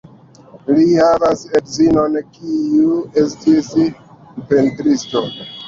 Li havas edzinon, kiu estis pentristo.